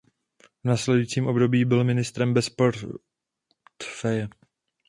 V následujícím období byl ministrem bez portfeje.